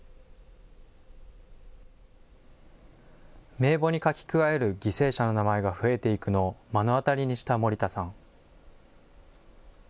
名簿に書き加える犠牲者の名前が増えていくのを目の当たりにした森田さん。